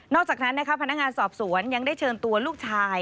อกจากนั้นนะคะพนักงานสอบสวนยังได้เชิญตัวลูกชาย